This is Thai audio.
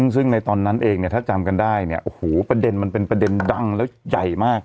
ซึ่งในตอนนั้นเองเนี่ยถ้าจำกันได้เนี่ยโอ้โหประเด็นมันเป็นประเด็นดังแล้วใหญ่มาก